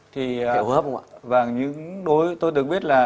thì tôi được biết là